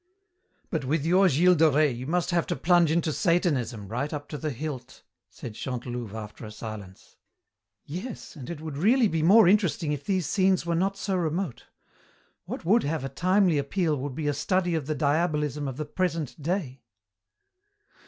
"But with your Gilles de Rais you must have to plunge into Satanism right up to the hilt," said Chantelouve after a silence. "Yes, and it would really be more interesting if these scenes were not so remote. What would have a timely appeal would be a study of the Diabolism of the present day."